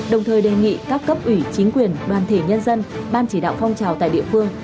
đồng thời đề nghị các cấp ủy chính quyền đoàn thể nhân dân ban chỉ đạo phong trào tại địa phương